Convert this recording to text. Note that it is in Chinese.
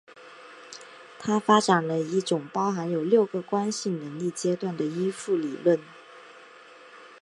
他发展了一种包含有六个关系能力阶段的依附理论。